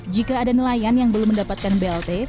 jika ada nelayan yang belum mendapatkan blt